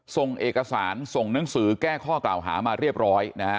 ส่งเอกสารส่งหนังสือแก้ข้อกล่าวหามาเรียบร้อยนะฮะ